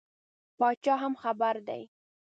پاچا هم خبر دی.